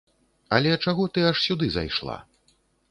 Але чаго ты аж сюды зайшла?